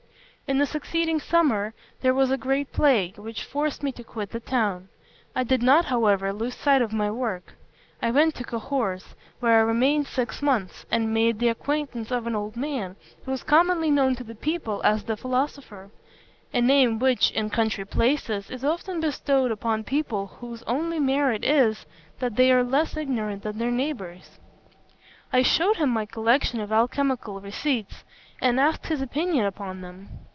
"In the succeeding summer there was a great plague, which forced me to quit the town. I did not, however, lose sight of my work. I went to Cahors, where I remained six months, and made the acquaintance of an old man, who was commonly known to the people as 'the Philosopher;' a name which, in country places, is often bestowed upon people whose only merit is, that they are less ignorant than their neighbours. I shewed him my collection of alchymical receipts, and asked his opinion upon them.